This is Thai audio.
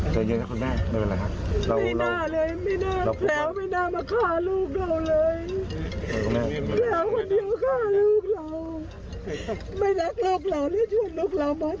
เจอเยี่ยงนะคุณแม่ไม่เป็นอะไรครับ